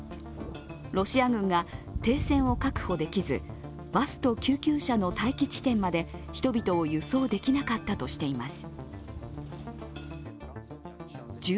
ロシア軍が停戦を確保できず、バスと救急車の待機地点まで人々を輸送できなかったとしています。